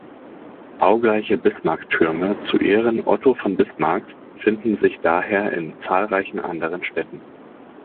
Baugleiche Bismarcktürme zu Ehren Otto von Bismarcks finden sich daher in zahlreichen anderen Städten.